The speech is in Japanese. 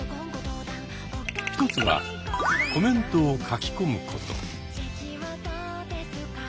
一つはコメントを書き込むこと。